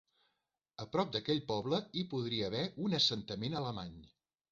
A prop d'aquell poble hi podria haver un assentament alemany.